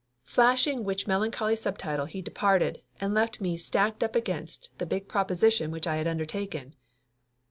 Flashing which melancholy subtitle he departed, and left me stacked up against the big proposition which I had undertaken.